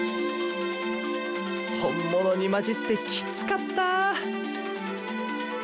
本物に交じってキツかった！